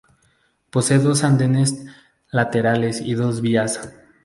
Posee dos andenes laterales y dos vías.